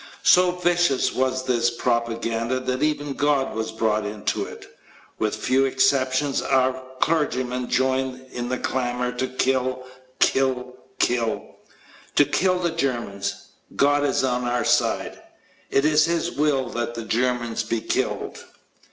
So vicious was this war propaganda that even God was brought into it. With few exceptions our clergymen joined in the clamor to kill, kill, kill. To kill the Germans. God is on our side ... it is His will that the Germans be killed.